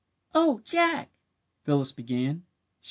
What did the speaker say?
"Oh, Jack " Phyllis began.